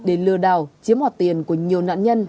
để lừa đảo chiếm hoạt tiền của nhiều nạn nhân